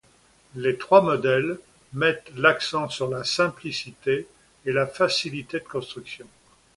Les trois modèles mettent l'accent sur la simplicité et la facilité de construction.